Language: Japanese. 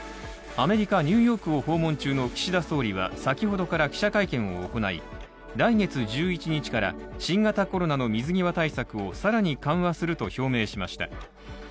アメリカ・ニューヨークを訪問中の岸田総理は先ほどから記者会見を行い来月１１日から、新型コロナの水際対策を更に緩和すると表明しました。